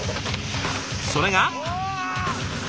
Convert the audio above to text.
それが。